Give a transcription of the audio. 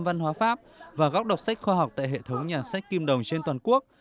văn hóa pháp và góc đọc sách khoa học tại hệ thống nhà sách kim đồng trên toàn quốc